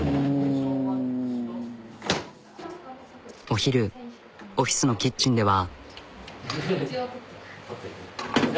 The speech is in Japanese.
お昼オフィスのキッチンでは。